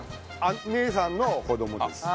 姉さんの子供です。